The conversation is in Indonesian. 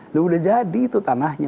sudah jadi itu tanahnya